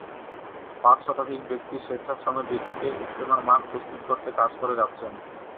পাঁচ শতাধিক ব্যক্তি স্বেচ্ছাশ্রমের ভিত্তিতে ইজতেমার মাঠ প্রস্তুত করতে কাজ করে যাচ্ছেন।